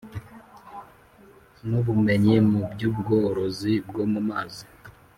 N ubumenyi mu by ubworozi bwo mu mazi